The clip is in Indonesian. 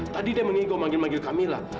tadi dia mengigau manggil manggil camilla